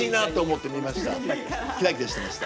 キラキラしてました。